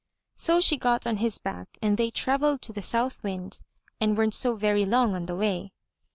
*' So she got on his back and they travelled to the South Wind, and weren't so very long on the way.